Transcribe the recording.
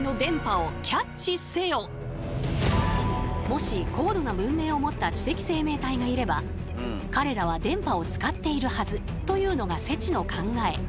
もし高度な文明を持った知的生命体がいれば彼らは電波を使っているはずというのがＳＥＴＩの考え。